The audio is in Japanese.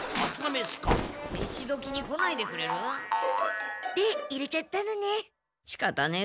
めし時に来ないでくれる？で入れちゃったのね。